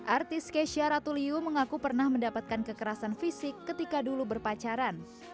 artis kesha ratuliu mengaku pernah mendapatkan kekerasan fisik ketika dulu berpacaran